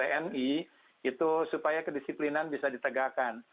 bapak bapak dari tni itu supaya kedisiplinan bisa ditegakkan